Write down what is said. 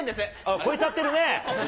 超えちゃってるね。